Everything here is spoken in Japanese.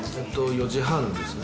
４時半ですね。